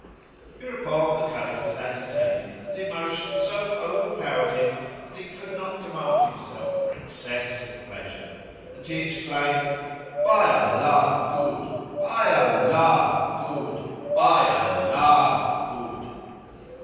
Hereupon the Caliph was agitated, and emotion so overpowered him that he could not command himself for excess of pleasure, and he exclaimed, "By Allah, good! by Allah, good! by Allah, good!"